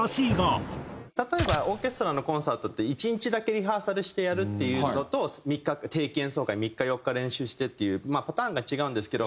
例えばオーケストラのコンサートって１日だけリハーサルしてやるっていうのと定期演奏会３日４日練習してっていうまあパターンが違うんですけど。